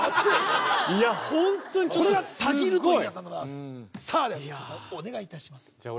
いやホントにちょっとこれが「たぎる」というやつすっごいさあでは満島さんお願いいたします